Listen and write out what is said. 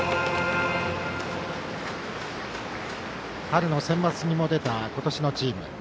春のセンバツにも出た今年のチーム。